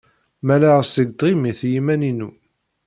Malleɣ seg tɣimit i yiman-inu.